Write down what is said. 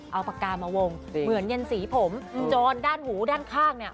เอาปากกามาวงเหมือนเย็นสีผมจรด้านหูด้านข้าง